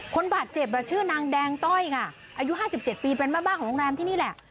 คนบาดเจ็บแบบชื่อนางแดงต้อยอีกอายุห้าสิบเจ็ดปีแบรนด์แม่บ้านของโรงแรมที่นี่แหละ